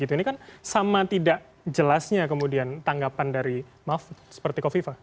ini kan sama tidak jelasnya kemudian tanggapan dari maaf seperti kofifa